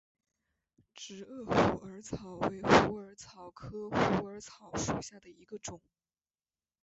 直萼虎耳草为虎耳草科虎耳草属下的一个种。